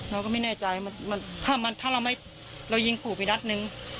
เราก็ไม่แน่ใจมันมันห้ามมันถ้าเราไม่เรายิงคู่ไปนัดหนึ่ง